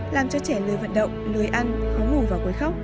làm cho trẻ lười vận động lưỡi ăn khó ngủ và quấy khóc